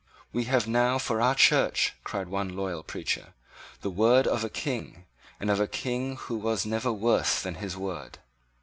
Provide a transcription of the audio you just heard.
"We have now for our Church," cried one loyal preacher, "the word of a King, and of a King who was never worse than his word."